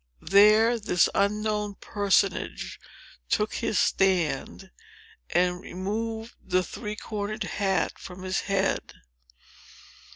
There this unknown personage took his stand, and removed the three cornered hat from his head.